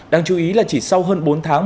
đáng chú ý là chỉ sau hơn bốn tháng